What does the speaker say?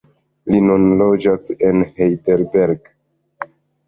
Li nun loĝas en Heidelberg.